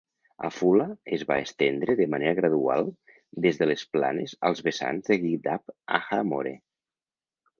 Afula es va estendre de manera gradual des de les planes als vessants de Giv'at ha-More.